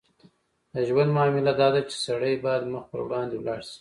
د ژوند معامله داده چې سړی باید مخ پر وړاندې ولاړ شي.